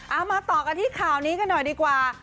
เอามาต่อกันที่ข่าวนี้กันหน่อยดีกว่า